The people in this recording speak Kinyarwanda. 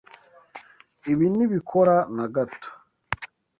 Ibi ntibikora na gato.